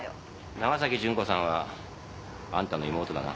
長崎純子さんはアンタの妹だな？